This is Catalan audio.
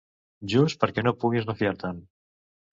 Just perquè no puguis refiar-te'n